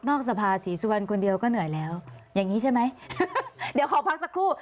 สภาศรีสุวรรณคนเดียวก็เหนื่อยแล้วอย่างงี้ใช่ไหมเดี๋ยวขอพักสักครู่